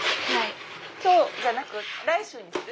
今日じゃなくて来週にする？